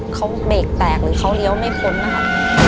เขาเบรกแตกหรือเขาเลี้ยวไม่พ้นนะคะ